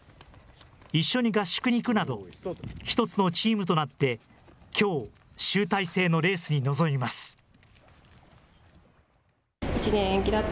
一緒に合宿に行くなど、１つのチームとなって、きょう、集大成のレースに臨みます。